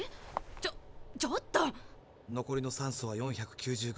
ちょっと⁉残りの酸素は４９０ｇ。